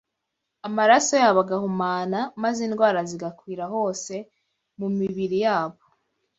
amaraso yabo agahumana, maze indwara zigakwira hose mu mibiri yabo